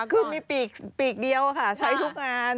คือมีปีกเดียวค่ะใช้ทุกงาน